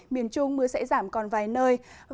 miền trung mưa sẽ giảm còn vài nơi